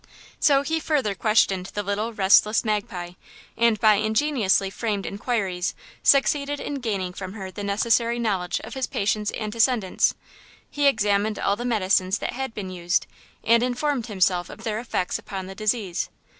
So he further questioned the little, restless magpie, and by ingeniously framed inquiries succeeded in gaining from her the necessary knowledge of his patient's antecedents. He examined all the medicines that had been used, and informed himself of their effects upon the disease.